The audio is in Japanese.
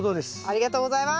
ありがとうございます！